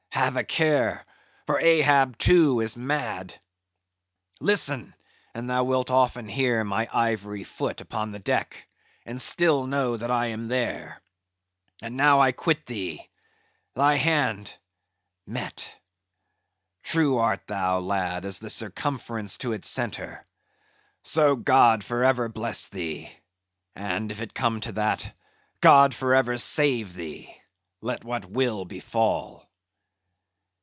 have a care, for Ahab too is mad. Listen, and thou wilt often hear my ivory foot upon the deck, and still know that I am there. And now I quit thee. Thy hand!—Met! True art thou, lad, as the circumference to its centre. So: God for ever bless thee; and if it come to that,—God for ever save thee, let what will befall."